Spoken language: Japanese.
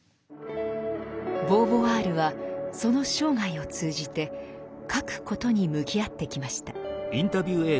ボーヴォワールはその生涯を通じて「書くこと」に向き合ってきました。